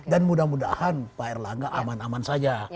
dan mudah mudahan pak erlangga aman aman saja